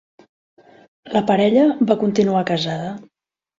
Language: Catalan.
La parella va continuar casada.